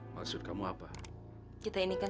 kayaknya ga ada orang intimacy